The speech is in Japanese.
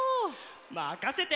まかせて！